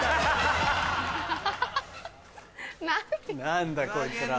何だこいつら。